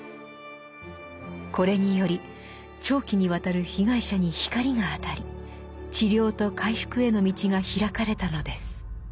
これにより長期にわたる被害者に光が当たり治療と回復への道が開かれたのです。